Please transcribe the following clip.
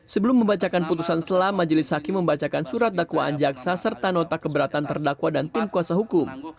sebelum membacakan putusan selam majelis hakim membacakan surat dakwaan jaksa serta nota keberatan terdakwa dan tim kuasa hukum